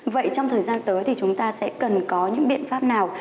vậy trong thời gian tới thì chúng ta sẽ cần có những biện pháp nào